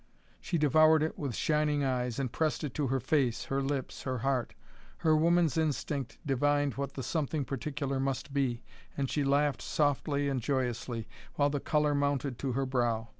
She devoured it with shining eyes, and pressed it to her face, her lips, her heart. Her woman's instinct divined what the "something particular" must be, and she laughed softly and joyously, while the color mounted to her brow.